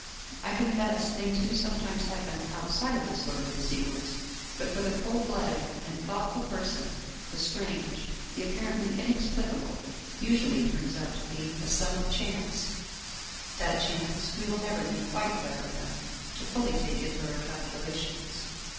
I confess things do some times happen outside of this orderly sequence ; but for the cold blooded and thoughtful person the Strange, the ap parently Inexplicable, usually turns out to be a sum of Chance, that Chance we will never be quite clever enough to fully take into our calculations.